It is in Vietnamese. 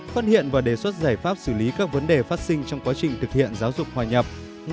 phát hiện và đề xuất giải pháp xử lý các vấn đề phát sinh trong quá trình thực hiện giáo dục hòa nhập